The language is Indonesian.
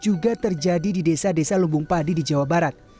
juga terjadi di desa desa lumbung padi di jawa barat